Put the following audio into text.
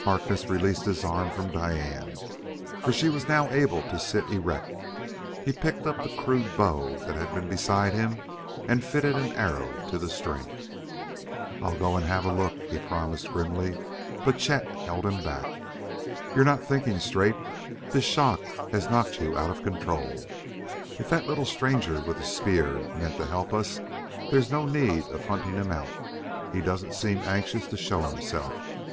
Harkness released his arms from Diane, for she was now able to sit erect. He picked up the crude bow that had been beside him and fitted an arrow to the string. "I'll go and have a look," he promised grimly. But Chet held him back. "You're not thinking straight; this shock has knocked you out of control. If that little stranger with the spear meant to help us there's no need of hunting him out; he doesn't seem anxious to show himself.